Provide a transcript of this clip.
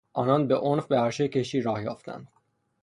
آنان به عنف به عرشه کشتی راه یافتند.